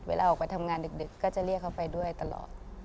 เวลาออกไปทำงานดึกก็จะเรียกเขาไปด้วยตลอด